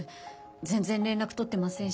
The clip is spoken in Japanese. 全然連絡取ってませんし。